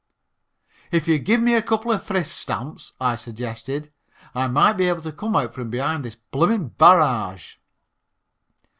"If you'd give me a couple of Thrift Stamps," I suggested, "I might be able to come out from behind this blooming barrage."